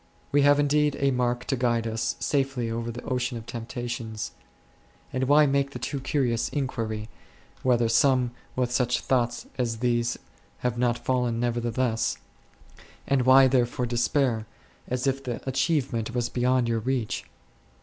We have indeed a mark to guide us safely over the ocean of temptations ; and why make the too curious inquiry, whether some with such thoughts as these have not fallen nevertheless, and why therefore despair, as if the achievement was be yond your reach